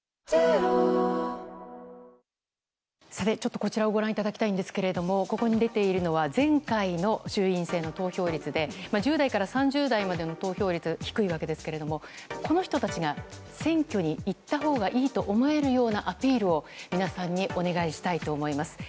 こちらをご覧いただきたいんですがここに出ているのは前回の衆院選の投票率で１０代から３０代までの投票率は低いわけですがこの人たちが選挙に行ったほうがいいと思えるようなアピールを皆さんにお願いしたいと思います。